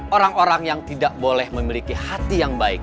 orang orang yang tidak boleh memiliki hati yang baik